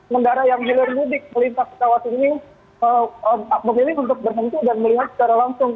mendara yang hilir mudik melintas pesawat ini memilih untuk berhenti dan melihat secara langsung